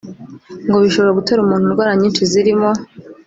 ngo bishobora gutera umuntu indwara nyinshi zirimo